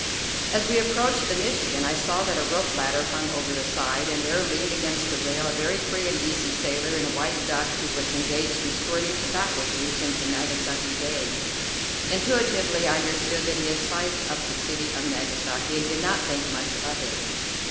As we approached the "Michigan" I saw that a rope ladder hung over the side, and there leaned against the rail a very free and easy sailor in white duck, who was engaged in squirting tobacco juice into Nagasaki Bay. Intuitively I understood that he had sized up the city of Nagasaki and did not think much of it.